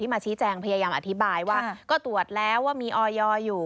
มาชี้แจงพยายามอธิบายว่าก็ตรวจแล้วว่ามีออยอยู่